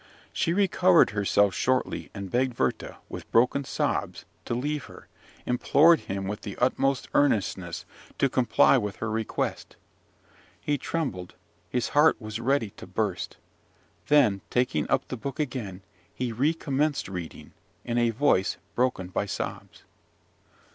She recovered herself shortly, and begged Werther, with broken sobs, to leave her, implored him with the utmost earnestness to comply with her request. He trembled; his heart was ready to burst: then, taking up the book again, he recommenced reading, in a voice broken by sobs.